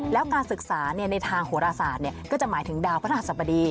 แล้วการศึกษาในทางโหรศาสตร์ก็จะหมายถึงดาวพระหัสบดี